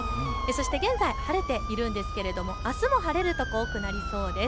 現在晴れているんですが、あすも晴れる所多くなりそうです。